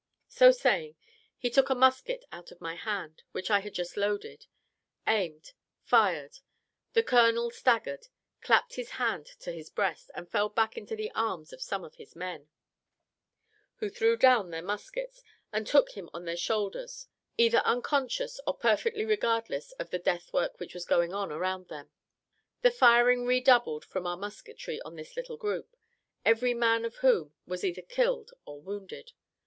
So saying, he took a musket out of my hand, which I had just loaded aimed, fired the colonel staggered, clapped his hand to his breast, and fell back into the arms of some of his men, who threw down their muskets, and took him on their shoulders, either unconscious or perfectly regardless of the death work which was going on around them. The firing redoubled from our musketry on this little group, every man of whom was either killed or wounded.